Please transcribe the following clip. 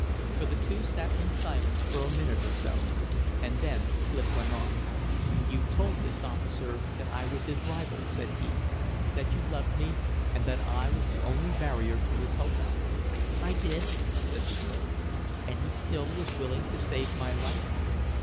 For the two sat in silence for a minute or so; and then Clif went on: "You told this officer that I was his rival," said he; "that you loved me and that I was the only barrier to his hopes?" "I did," said the girl. "And he still was willing to save my life?"